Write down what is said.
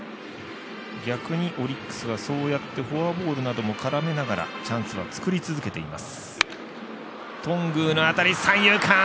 逆にオリックスはそうやってフォアボールなども絡めながらチャンスは作り続けています。